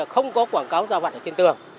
không có quảng cáo do vặt trên tường